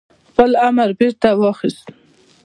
خپل امر بيرته واخيست